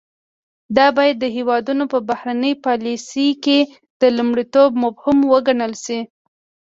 دا باید د هیوادونو په بهرنۍ پالیسۍ کې د لومړیتوب مفهوم وګڼل شي